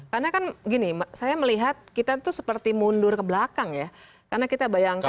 karena kan gini saya melihat kita itu seperti mundur ke belakang ya karena kita bayangkan